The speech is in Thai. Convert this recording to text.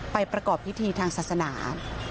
ประกอบพิธีทางศาสนา